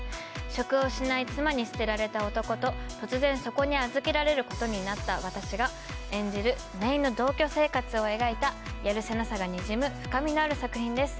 職を失い妻に捨てられた男と突然そこに預けられることになった私が演じる姪の同居生活を描いたやるせなさがにじむ深みのある作品です